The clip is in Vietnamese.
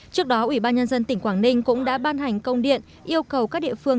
trước đó ủy ban nhân dân tỉnh quảng ninh cũng đã ban hành công điện yêu cầu các địa phương